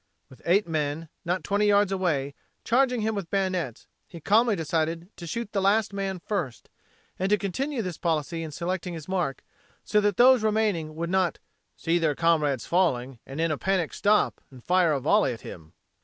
With eight men, not twenty yards away, charging him with bayonets, he calmly decided to shoot the last man first, and to continue this policy in selecting his mark, so that those remaining would "not see their comrades falling and in panic stop and fire a volley at him."